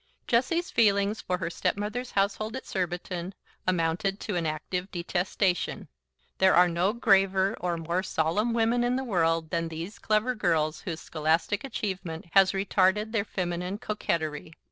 Jessie's feelings for her stepmother's household at Surbiton amounted to an active detestation. There are no graver or more solemn women in the world than these clever girls whose scholastic advancement has retarded their feminine coquetry.